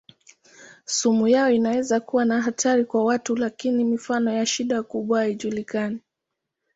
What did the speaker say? Sumu yao inaweza kuwa na hatari kwa watu lakini mifano ya shida kubwa haijulikani.